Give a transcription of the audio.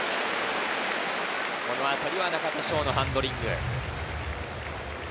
このあたりは中田翔のハンドリング。